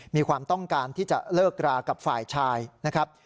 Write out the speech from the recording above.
มีความต้องการที่จะเลิกรากับฝ่ายชายนะครับ